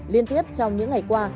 liên tiếp trong những ngày qua